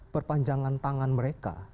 perpanjangan tangan mereka